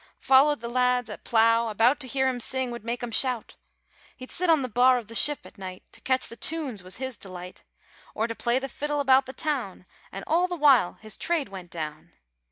Follered the lads at plough about To hear 'em sing would make him shout! He'd sit on the bar of the Ship at night: To catch the tunes was his delight, Or to play the fiddle about the town: An' all the while his trade went down!